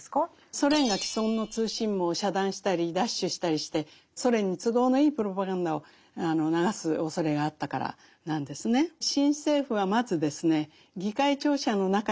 ソ連が既存の通信網を遮断したり奪取したりしてソ連に都合のいいプロパガンダを流すおそれがあったからなんですね。